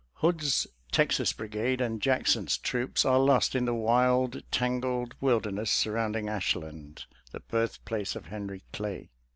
Hood's Texas Brigade and Jackson's troops are lost in the wild, tangled wilderness surround ing Ashland, the birthplace of Henry Clay.